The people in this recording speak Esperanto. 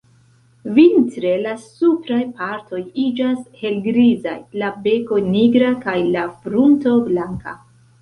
Vintre la supraj partoj iĝas helgrizaj, la beko nigra kaj la frunto blanka.